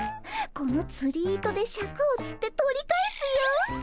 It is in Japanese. このつり糸でシャクをつって取り返すよ。